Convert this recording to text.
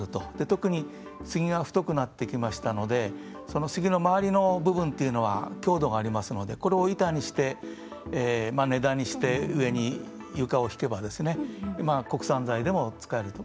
特にスギが太くなってきましたのでその杉の周りの部分というのは強度がありますのでこれを根太にして上に床を引けば国産材でも使えると。